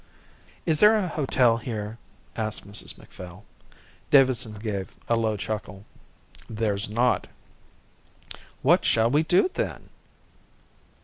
"Is there a hotel here?" asked Mrs Macphail. Davidson gave a low chuckle. "There's not." "What shall we do then?"